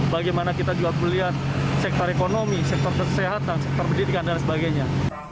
bagaimana kita juga melihat sektor ekonomi sektor kesehatan sektor pendidikan dan sebagainya